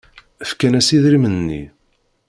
Fkan-as idrimen-nni.